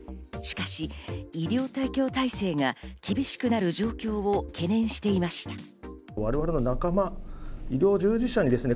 しかし医療提供体制が厳しくなる状況を懸念していました。